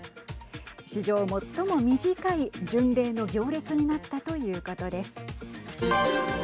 史上最も短い巡礼の行列になったということです。